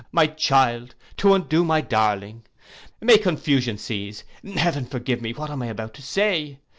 My Child!—To undo my darling! May confusion seize! Heaven forgive me, what am I about to say!